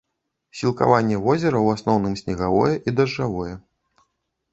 Сілкаванне возера ў асноўным снегавое і дажджавое.